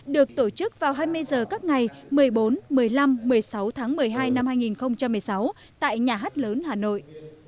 được tổ chức vào hai mươi h các ngày một mươi bốn một mươi năm một mươi sáu tháng một mươi hai năm hai nghìn một mươi sáu tại nhà hát lớn hà nội